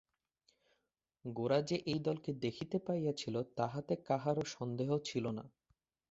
গোরা যে এই দলকে দেখিতে পাইয়াছিল তাহাতে কাহারো সন্দেহ ছিল না।